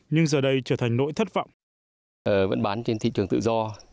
nhưng giờ đây trở thành nỗi thất vọng